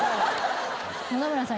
野々村さん